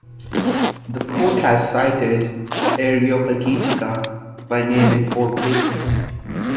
The Court has cited "Areopagitica" by name in four cases.